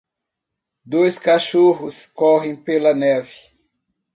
Dois cachorros correm pela neve.